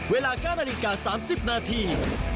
เวลา๙นาฬิกา๓๐นาที